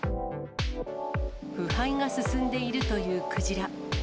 腐敗が進んでいるというクジラ。